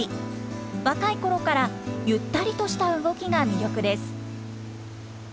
若いころからゆったりとした動きが魅力です。